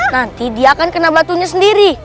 nanti dia akan kena batunya sendiri